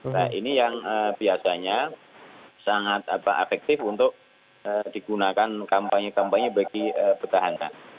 nah ini yang biasanya sangat efektif untuk digunakan kampanye kampanye bagi petahana